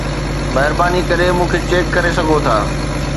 مهرباني ڪري مون کي چيڪ ڪري سگهو ٿا